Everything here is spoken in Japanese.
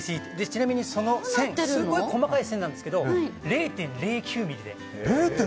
ちなみにその線すごく細かい線なんですけど０．０９ｍｍで。